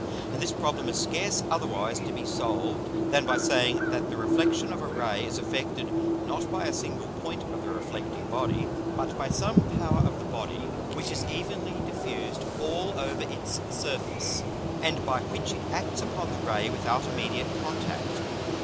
And this Problem is scarce otherwise to be solved, than by saying, that the Reflexion of a Ray is effected, not by a single point of the reflecting Body, but by some power of the Body which is evenly diffused all over its Surface, and by which it acts upon the Ray without immediate Contact.